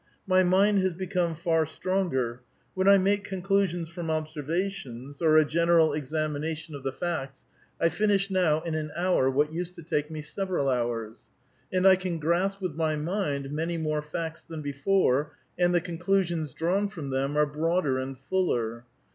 My mind has become far stronger ; when T make conclusions from observations, or a general examination of A VITAL QUESTION. 365 the facts, I finish now in an hour what used to take me several hours. And I can grasp with my mind many more facts than before, and the conclusions drawn from them are broader and fuller.